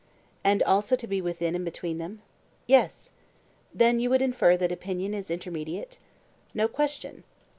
And also to be within and between them? Yes. Then you would infer that opinion is intermediate? No question.